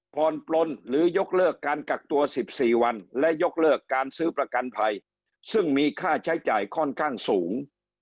ผ่อนปลนหรือยกเลิกการกักตัว๑๔วันและยกเลิกการซื้อประกันภัยซึ่งมีค่าใช้จ่ายค่อนข้างสูง